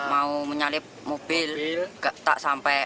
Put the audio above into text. mau menyalip mobil tak sampai